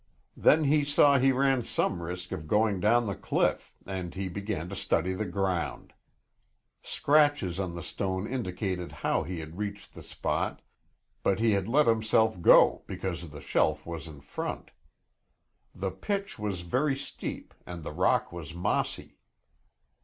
Then he saw he ran some risk of going down the cliff and he began to study the ground. Scratches on the stone indicated how he had reached the spot, but he had let himself go because the shelf was in front. The pitch was very steep and the rock was mossy.